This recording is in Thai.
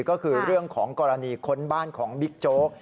ก็คือเรื่องของกรณีค้นบ้านของบิ๊กโจ๊ก